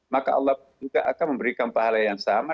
maka allah juga akan memberikan pahala yang sama